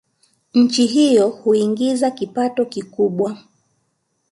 nchini hivyo nchi huiingiza kipato kikubwa